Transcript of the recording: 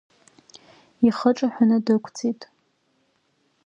Ихы ҿаҳәаны дықәҵит.